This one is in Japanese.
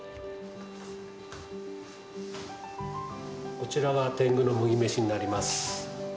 こちらが天狗の麦飯になります。